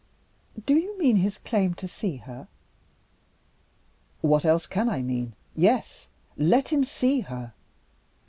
"Do you mean his claim to see her?" "What else can I mean? Yes! let him see her.